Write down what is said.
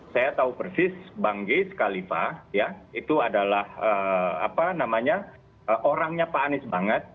saya tahu persis bang geis kalifah ya itu adalah apa namanya orangnya pak anies banget